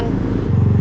dan gue akan mencari